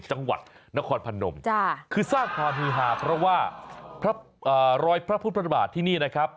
จังหวัดนครพนมคือสร้างความฮือหาเพราะว่ารอยพระพุทธบาทที่นี่นะครับ